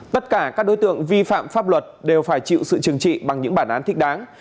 tất cả các đối tượng vi phạm pháp luật đều phải chịu sự trừng trị bằng những bản án thích đáng